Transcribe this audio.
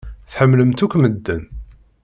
Tḥemmlemt akk medden.